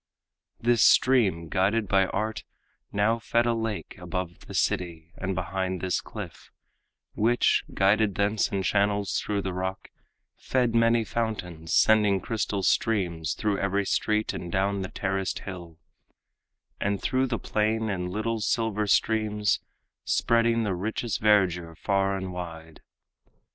This stream, guided by art, now fed a lake Above the city and behind this cliff, Which, guided thence in channels through the rock, Fed many fountains, sending crystal streams Through every street and down the terraced hill, And through the plain in little silver streams, Spreading the richest verdure far and wide.